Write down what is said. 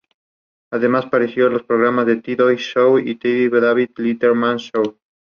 Indudablemente la figura que aquí nos ocupa tuvo una extensa y destacada actuación profesional.